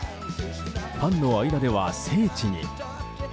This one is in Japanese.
ファンの間では聖地に。